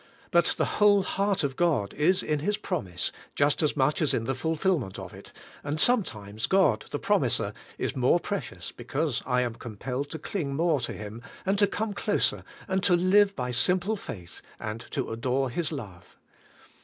But the whole heart of God is in His promise, just as much as in the fulfillment of it, and sometimes God, the promiser, is more precious because I am compelled to cling more to Him, and to come closer, and to live by simple faith, and to adore His love.